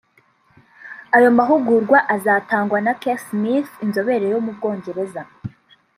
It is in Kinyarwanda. Ayo mahugurwa azatangwa na Keith Smith inzobere yo mu Bwongereza